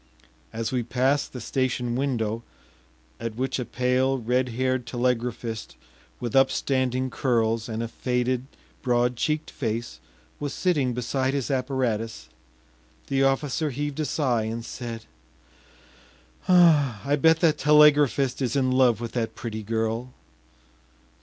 As we passed the station window, at which a pale, red haired telegraphist with upstanding curls and a faded, broad cheeked face was sitting beside his apparatus, the officer heaved a sigh and said: “I bet that telegraphist is in love with that pretty girl.